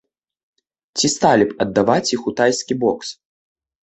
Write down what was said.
Ці сталі б аддаваць іх у тайскі бокс?